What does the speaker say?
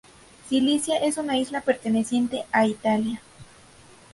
Sicilia es una isla perteneciente a Italia.